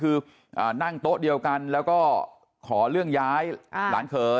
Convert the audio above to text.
คือนั่งโต๊ะเดียวกันแล้วก็ขอเรื่องย้ายหลานเขย